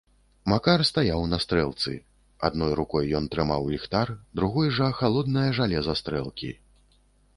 Макар стаяў на стрэлцы, адной рукой ён трымаў ліхтар, другой жа халоднае жалеза стрэлкі.